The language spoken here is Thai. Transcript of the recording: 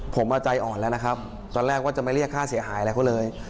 ผมใจอ่อนแล้วนะครับตอนแรกว่าจะไม่เรียกค่าเสียหายอะไรเขาเลย